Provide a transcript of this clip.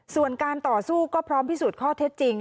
ส่วนการต่อสู้ก็พร้อมพิสูจน์ข้อเท็จจริง